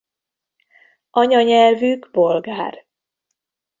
Anyanyelvük bolgár.